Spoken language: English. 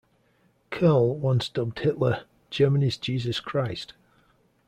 Kerrl once dubbed Hitler 'Germany's Jesus Christ'.